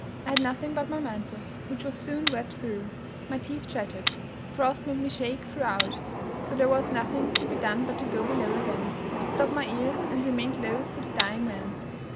I had nothing but my mantle, which was soon wet through; my teeth chattered; the frost made me shake throughout; so there was nothing to be done but to go below again to stop my ears, and remain close to the dying man.